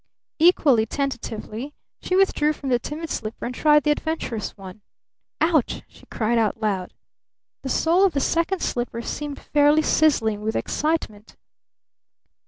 Equally tentatively she withdrew from the timid slipper and tried the adventurous one. "O u c h!" she cried out loud. The sole of the second slipper seemed fairly sizzling with excitement.